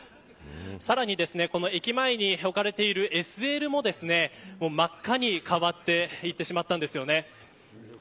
さらに、駅前に置かれているＳＬも真っ赤に変わっていってしまったんですよね。